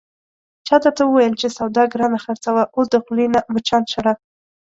چا درته ویل چې سودا گرانه خرڅوه، اوس د خولې نه مچان شړه...